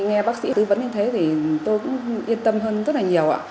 khi nghe bác sĩ tư vấn như thế thì tôi cũng yên tâm hơn rất là nhiều